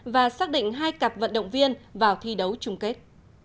và xác định hai cặp vận động viên vào thi đấu chung kết